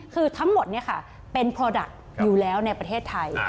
คือทั้งหมดเป็นโปรดักต์อยู่แล้วในประเทศไทย